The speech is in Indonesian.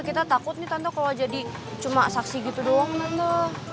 kita takut nih tante kalau jadi cuma saksi gitu doang tanto